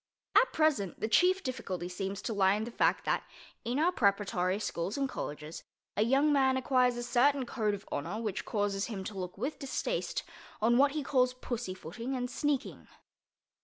At present the chief difficulty seems to lie in the fact that, in our preparatory schools and colleges, a young man acquires a certain code of honor which causes him to look with distaste on what he calls pussyfooting and sneaking.